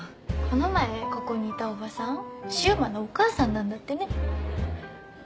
この前ここにいたおばさん柊磨のお母さんなんだってね。